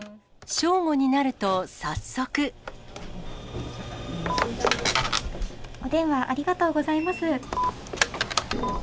正午になると、早速。お電話ありがとうございます。